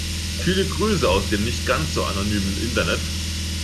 Viele Grüße aus dem nicht ganz so anonymen Internet.